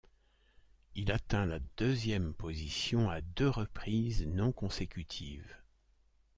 Il atteint la deuxième position à deux reprises non consécutives.